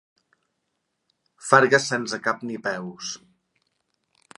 Fargues sense cap ni peus.